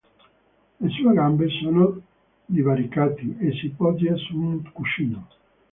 Le sue gambe sono divaricate e si poggia su un cuscino.